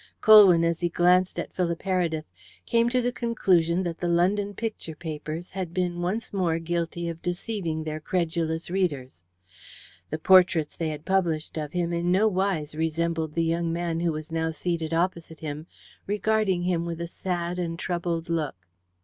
Colwyn, as he glanced at Philip Heredith, came to the conclusion that the London picture papers had been once more guilty of deceiving their credulous readers. The portraits they had published of him in no wise resembled the young man who was now seated opposite him, regarding him with a sad and troubled look.